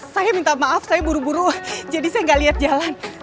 saya minta maaf saya buru buru jadi saya nggak lihat jalan